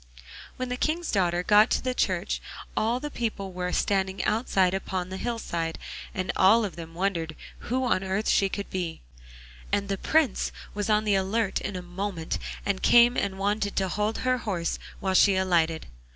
When the King's daughter got to church all the people were standing outside upon the hillside, and all of them wondered who on earth she could be, and the Prince was on the alert in a moment, and came and wanted to hold her horse while she alighted.